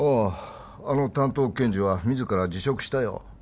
あの担当検事は自ら辞職したよ